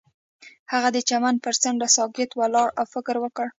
هغه د چمن پر څنډه ساکت ولاړ او فکر وکړ.